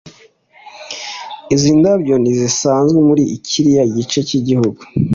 izi ndabyo ntizisanzwe muri kiriya gice cyigihugu